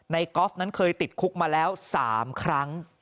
กอล์ฟนั้นเคยติดคุกมาแล้ว๓ครั้ง